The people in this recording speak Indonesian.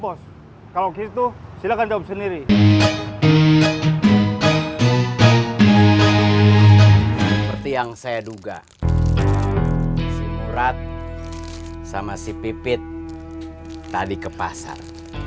pos kalau gitu silakan dop sendiri seperti yang saya duga si murat sama si pipit tadi ke pasar